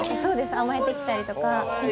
甘えてきたりとか。